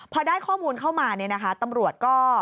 พอได้ข้อมูลเข้ามาตำรวจก็